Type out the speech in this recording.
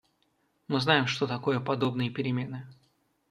Мы знаем, что такое подобные перемены.